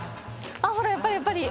ほら、やっぱりやっぱり。